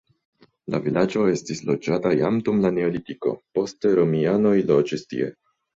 La vilaĝo estis loĝata jam dum la neolitiko, poste romianoj loĝis tie.